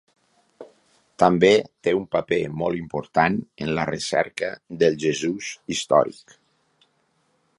També té un paper molt important en la recerca del Jesús històric.